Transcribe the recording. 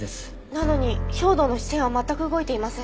なのに兵働の視線は全く動いていません。